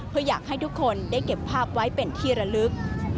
เพื่ออยากให้ทุกคนได้เก็บภาพไว้เป็นที่ระลึก